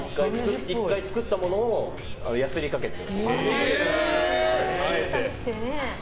１回作ったものをやすりにかけて。